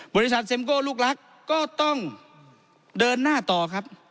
เซ็มโก้ลูกรักก็ต้องเดินหน้าต่อครับ